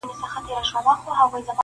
ورور له کلي لرې کيږي ډېر,